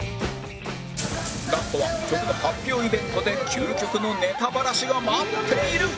ラストは曲の発表イベントで究極のネタバラシが待っている